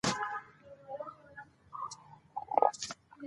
ادارې باید د فشار پر وړاندې ودرېږي